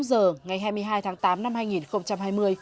hôm giờ ngày hai mươi hai tháng tám năm hai nghìn hai mươi